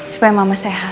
supaya mama sehat